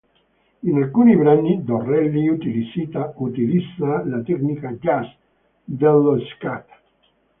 In alcuni brani Dorelli utilizza la tecnica jazz dello scat.